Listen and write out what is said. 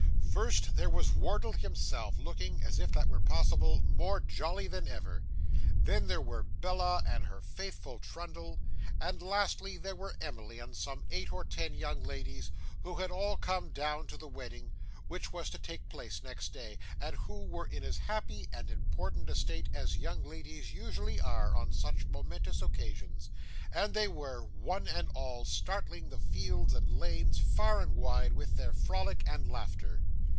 First, there was Wardle himself, looking, if that were possible, more jolly than ever; then there were Bella and her faithful Trundle; and, lastly, there were Emily and some eight or ten young ladies, who had all come down to the wedding, which was to take place next day, and who were in as happy and important a state as young ladies usually are, on such momentous occasions; and they were, one and all, startling the fields and lanes, far and wide, with their frolic and laughter.